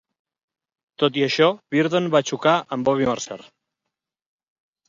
Tot i això, Virdon va xocar amb Bobby Murcer.